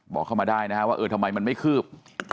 บอกเข้ามาได้นะฮะว่าเออทำไมมันไม่คืบ